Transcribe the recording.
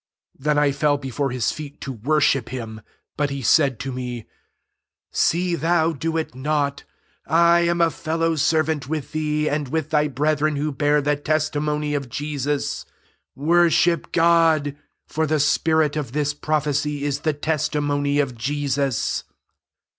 10 Then I fell before his feet to worship him. But he said tome, ^^ See thou do it not : I am a fellow servant with thee, and with thy brethren who bear the testimony of Jesus : worship Grod : (for the spirit of this prophecy is the testimony of Jesus.")